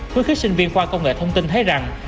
với khách sinh viên khoa công nghệ thông tin thấy rằng